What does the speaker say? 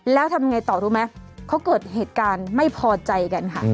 แล้วทำยังไงต่อรู้ไหมเขาเกิดเหตุการณ์ไม่พอใจกันค่ะ